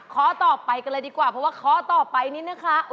ข้อต่อไปกันเลยดีกว่าเพราะว่าข้อต่อไปนี้นะคะ